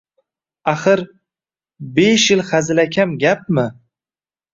Axir, besh yil hazilakam gapmi